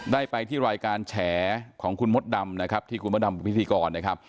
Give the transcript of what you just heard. ได้ไปที่รายการแฉของคุณมดดำนะครับที่คุณมดดำเป็นพิพีกร